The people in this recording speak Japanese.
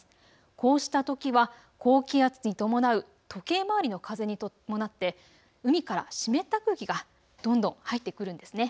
こうしたときは高気圧に伴う時計回りの風に伴って海から湿った空気がどんどん入ってくるんです。